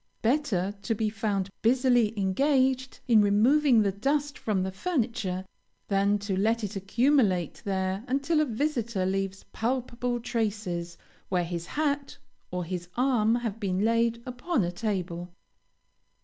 Better to be found busily engaged in removing the dust from the furniture, than to let it accumulate there until a visitor leaves palpable traces where his hat or his arm have been laid upon a table.